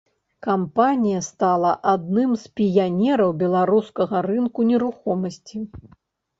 Кампанія стала адным з піянераў беларускага рынку нерухомасці.